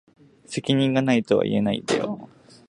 責任が無いとは言えないんだよ。